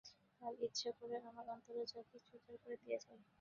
তাই ইচ্ছে করে আমার অন্তরের যা কিছু উজাড় করে দিয়ে যাই।